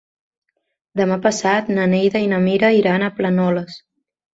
Demà passat na Neida i na Mira iran a Planoles.